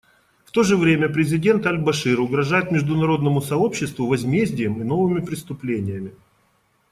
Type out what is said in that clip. В то же время президент Аль-Башир угрожает международному сообществу возмездием и новыми преступлениями.